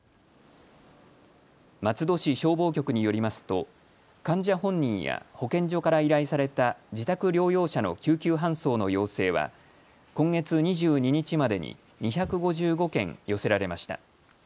松戸市消防局によりますと患者本人や保健所から依頼された自宅療養者の救急搬送の要請は今月２２日までに２５５件寄せられました。